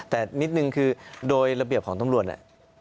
แต่นิดนึงคือโดยระเบียบของตำรวจแหละ